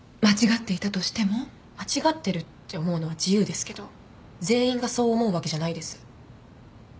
間違ってるって思うのは自由ですけど全員がそう思うわけじゃないです。